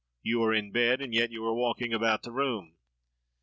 you are in bed, and yet you are walking about the room."